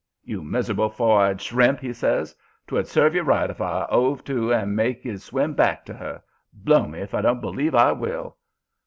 "'You mis'rable four eyed shrimp!' he says. ''Twould serve you right if I 'ove to and made you swim back to 'er. Blow me if I don't believe I will!'